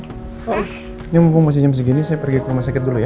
ini mumpung masih jam segini saya pergi ke rumah sakit dulu ya